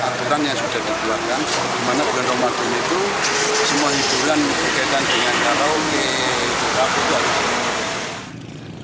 aturan yang sudah dibuatkan di mana berantem antum itu semua hiburan dikaitkan dengan taruh ke rambut